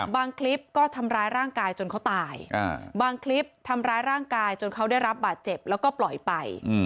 คลิปก็ทำร้ายร่างกายจนเขาตายบางคลิปทำร้ายร่างกายจนเขาได้รับบาดเจ็บแล้วก็ปล่อยไป